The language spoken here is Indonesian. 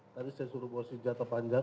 tadi saya suruh bawa senjata panjang